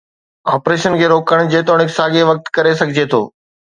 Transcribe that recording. Operation کي روڪڻ، جيتوڻيڪ، ساڳئي وقت ڪري سگهجي ٿو.